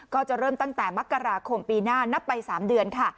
ก็จะเริ่มตั้งแต่มกราคมปีหน้านับไป๓เดือนค่ะ